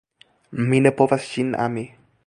Mi ne povas ŝin ami!